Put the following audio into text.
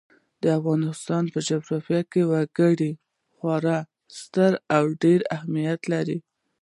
د افغانستان په جغرافیه کې وګړي خورا ستر او ډېر اهمیت لري.